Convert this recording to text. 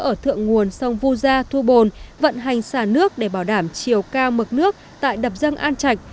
ở thượng nguồn sông vu gia thu bồn vận hành xả nước để bảo đảm chiều cao mực nước tại đập dâng an trạch